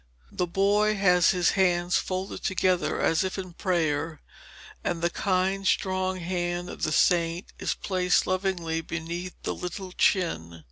The boy has his hands folded together as if in prayer, and the kind strong hand of the saint is placed lovingly beneath the little chin.